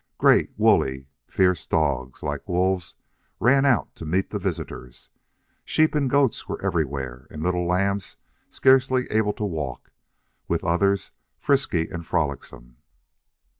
Great, woolly, fierce dogs, like wolves, ran out to meet the visitors. Sheep and goats were everywhere, and little lambs scarcely able to walk, with others frisky and frolicsome.